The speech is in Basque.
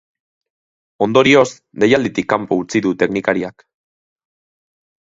Ondorioz, deialditik kanpo utzi du teknikariak.